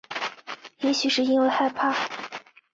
也许是因为害怕